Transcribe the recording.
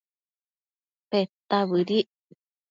Peta bëdic